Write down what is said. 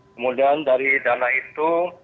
kemudian dari dana itu